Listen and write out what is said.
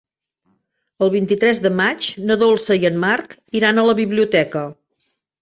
El vint-i-tres de maig na Dolça i en Marc iran a la biblioteca.